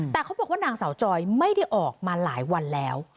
แต่เขาบอกว่านางสาวจอยไม่ได้ออกมาหลายวันแล้ว